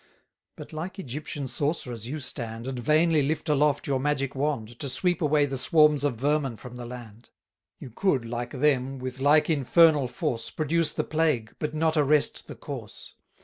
But like Egyptian sorcerers you stand, And vainly lift aloft your magic wand, To sweep away the swarms of vermin from the land: 540 You could like them, with like infernal force, Produce the plague, but not arrest the course.